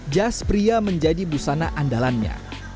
jas pria menjadi busana andalannya